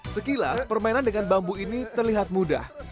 sekilas permainan dengan bambu ini terlihat mudah